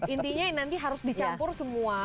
intinya nanti harus dicampur semua